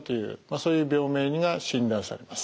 そういう病名が診断されます。